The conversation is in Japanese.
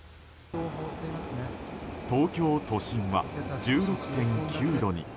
東京都心は１６．９度に。